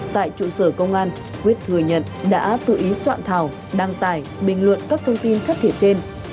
tại trụ sở công an quyết thừa nhận đã tự ý soạn thảo đăng tải bình luận các thông tin thất thiệt trên